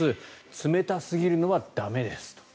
冷たすぎるのは駄目ですと。